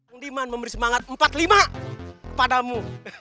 undiman memberi semangat empat lima padamu